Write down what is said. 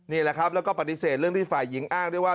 นี่แหละครับแล้วก็ปฏิเสธเรื่องที่ฝ่ายหญิงอ้างด้วยว่า